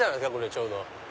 ちょうど。